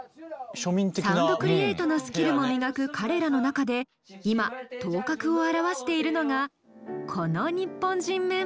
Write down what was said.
サウンドクリエートのスキルも磨く彼らの中で今頭角を現しているのがこの日本人メンバー。